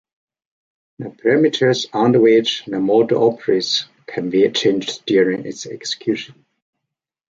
The parameters under which the model operates can be changed during its execution.